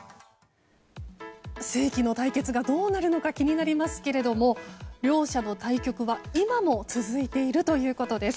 世紀の対決がどうなるのか気になりますけど両者の対局は今も続いているということです。